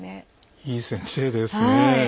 いい先生ですね。